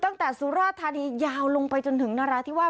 สุราธานียาวลงไปจนถึงนราธิวาส